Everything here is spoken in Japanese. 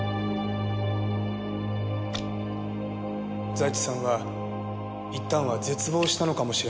財津さんは一旦は絶望したのかもしれません。